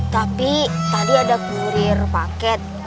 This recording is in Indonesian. tapi tadi ada kurir paket